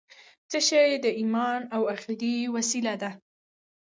څه شی د ایمان او عقیدې وسله ده؟